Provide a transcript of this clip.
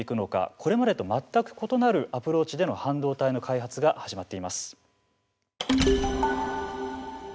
これまでと全く異なるアプローチでの半導体の開発が始まっています。